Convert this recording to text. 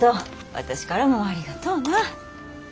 私からもありがとうな。